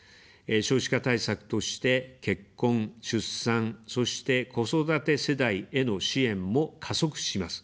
少子化対策として、結婚・出産、そして子育て世代への支援も加速します。